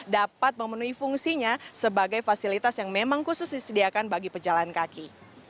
dapat memenuhi fungsinya sebagai fasilitas yang memang khusus disediakan bagi pejalan kaki